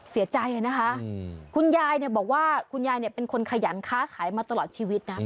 เสียใจนะคะคุณยายเนี่ยบอกว่าคุณยายเป็นคนขยันค้าขายมาตลอดชีวิตนะ